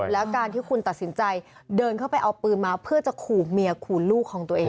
แล้วการที่คุณตัดสินใจเดินเข้าไปเอาปืนมาเพื่อจะขู่เมียขู่ลูกของตัวเอง